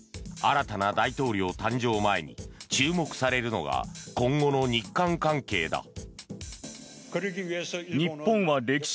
新たな大統領誕生を前に注目されるのが今後の日韓関係だ。